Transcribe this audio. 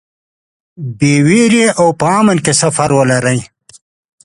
بې وېرې او په امن کې سفر ولرئ.